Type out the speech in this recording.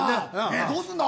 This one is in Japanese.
どうすんの。